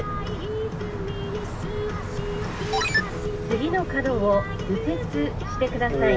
「次の角を右折してください」。